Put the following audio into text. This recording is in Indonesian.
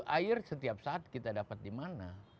air setiap saat kita dapat dimana